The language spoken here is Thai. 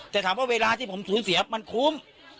แต่ถามว่าเวลาที่ผมสูญเสียมันคุ้ม